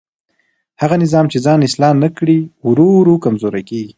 هغه نظام چې ځان اصلاح نه کړي ورو ورو کمزوری کېږي